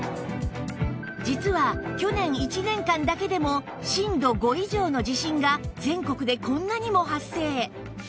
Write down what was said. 実は去年１年間だけでも震度５以上の地震が全国でこんなにも発生